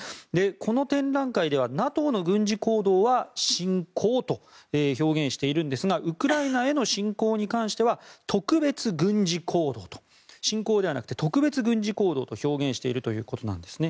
この展覧会ではＮＡＴＯの軍事行動は侵攻と表現していいるんですがウクライナへの侵攻に関しては侵攻ではなく特別軍事行動と表現しているということです。